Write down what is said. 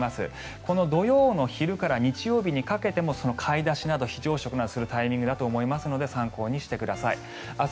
この土曜の昼から日曜日にかけてもその買い出しなど非常食などを買うタイミングだと思いますので参考にしてください。